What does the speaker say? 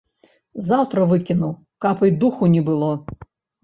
Заўтра выкіну, каб і духу не было.